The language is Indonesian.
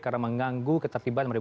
karena mengganggu ketertiban